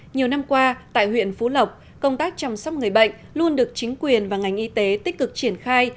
nhiều năm qua tại huyện phú lộc công tác chăm sóc người bệnh luôn được chính quyền và ngành y tế tích cực triển khai